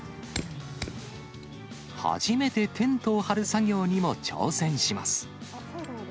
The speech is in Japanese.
初めてテントを張る作業にも挑戦します。